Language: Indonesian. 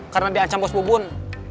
karena diancam bos bubun